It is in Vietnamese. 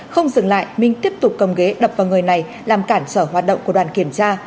không dừng lại minh tiếp tục cầm ghế đập vào người này làm cản trở hoạt động của đoàn kiểm tra